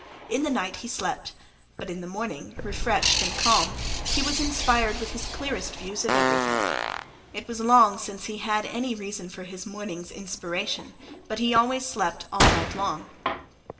In the night he slept, but in the morning, refreshed and calm, he was inspired with his clearest views of everything. It was long since he had any reason for his morning's inspiration, but he always slept all night long.